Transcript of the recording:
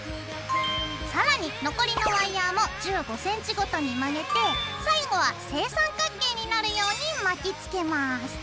更に残りのワイヤーも１５センチごとに曲げて最後は正三角形になるように巻きつけます。